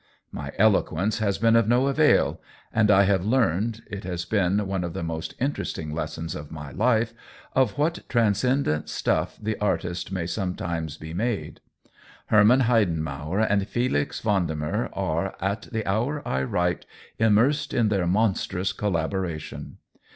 My eloquence has been of no avail, and I have learned (it has been one of the most interesting lessons of my life) of what tran scendent stuff the artist may sometimes be made. Herman Heidenmauer and F61Lx Vendemer are, at the hour I write, immersed in their monstrous collaboration.